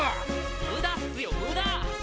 無駄っすよ無駄！